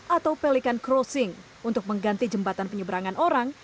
atau pelican crossing untuk mengganti jembatan penyebrangan orang